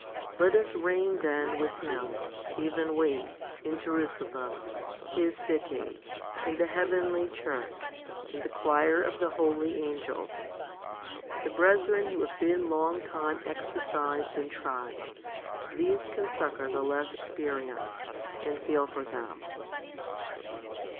Let us reign then with Him, even we, in Jerusalem, His city, in the heavenly church, in the choir of the holy angels. The brethren who have been long time exercised and tried, these can succour the less experienced, and feel for them.